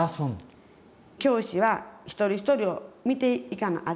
教師は一人一人を見ていかなあきませんやん。